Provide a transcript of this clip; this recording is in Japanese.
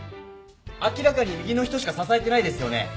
明らかに右の人しか支えてないですよね。